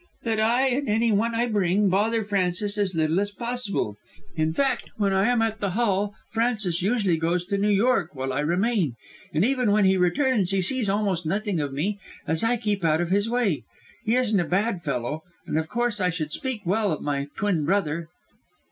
"That I, and anyone I bring, bother Francis as little as possible. In fact, when I am at the Hall Francis usually goes to York while I remain; and even when he returns he sees almost nothing of me, as I keep out of his way. He isn't a bad fellow, and of course I should speak well of my twin brother."